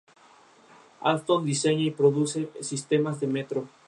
Alstom diseña y produce sistemas de Metro.